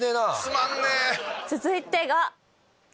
続いてが。